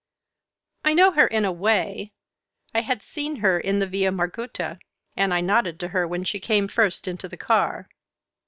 "I know her, in a way. I had seen her in the Via Margutta, and I nodded to her when she came first into the car."